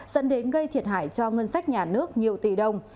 dẫn đến gây thiệt hại cho ngân sách nhà nước nhiều tỷ đồng